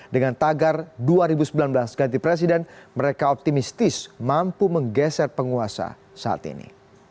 dengan tagar dua ribu sembilan belas ganti presiden mereka optimistis mampu menggeser penguasa saat ini